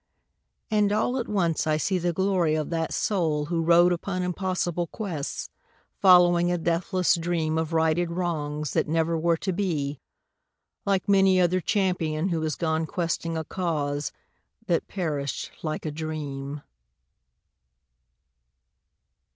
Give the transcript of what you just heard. And all at once I see The glory of that soul who rode upon Impossible quests, following a deathless dream Of righted wrongs, that never were to be, Like many another champion who has gone Questing a cause that perished like a dream.